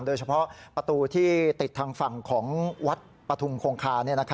โดยเฉพาะประตูที่ติดทางฝั่งของวัดปฐุมคงคา